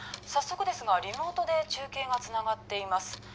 早速ですがリモートで中継がつながっています